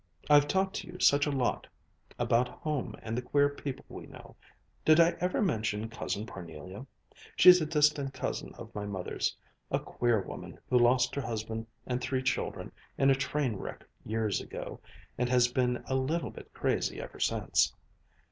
I've talked to you such a lot about home and the queer people we know did I ever mention Cousin Parnelia? She's a distant cousin of my mother's, a queer woman who lost her husband and three children in a train wreck years ago, and has been a little bit crazy ever since.